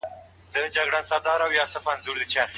د مرکو په وخت کي سپين ږيري څه رول لري؟